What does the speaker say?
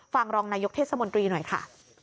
รองนายกเทศมนตรีหน่อยค่ะ